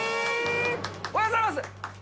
おはようございます。